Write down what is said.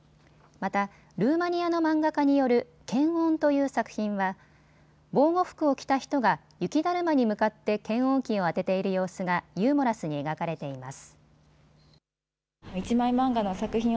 またルーマニアの漫画家による検温という作品は防護服を着た人が雪だるまに向かって検温器をあてている様子がユーモラスに描かれています。